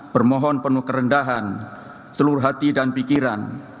bermohon penuh kerendahan seluruh hati dan pikiran